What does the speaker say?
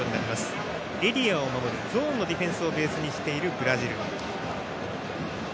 エリアを守るゾーンのディフェンスをベースにしているブラジル。